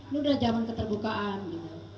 ini udah zaman keterbukaan gitu